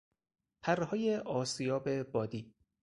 پرههای آسیاب بادی